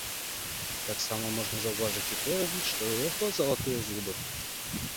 Таксама можна заўважыць і тое, што ў яго залатыя зубы.